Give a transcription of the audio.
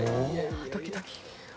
ドキドキ。